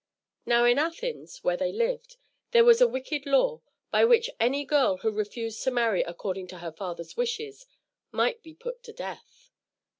Now, in Athens, where they lived, there was a wicked law, by which any girl who refused to marry according to her father's wishes, might be put to death.